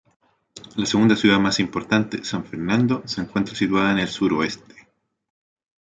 La segunda ciudad más importante, San Fernando, se encuentra situada en el suroeste.